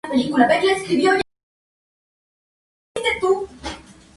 Sus vehículos de transmisión eran el sarcasmo, la ironía y el humor negro.